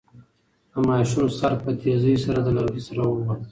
د ماشوم سر په تېزۍ سره له لرګي سره وواهه.